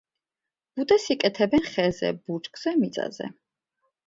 ბუდეს იკეთებენ ხეზე, ბუჩქზე, მიწაზე.